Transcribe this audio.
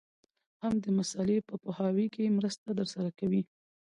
هم د مسألې په پوهاوي کي مرسته درسره کوي.